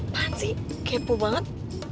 apaan sih kepo banget